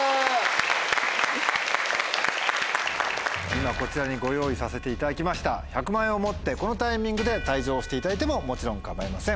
今こちらにご用意させていただきました１００万円を持ってこのタイミングで退場していただいてももちろん構いません。